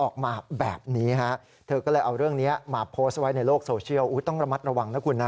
ขอบคุณครับ